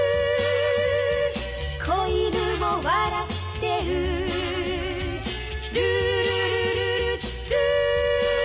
「小犬も笑ってる」「ルールルルルルー」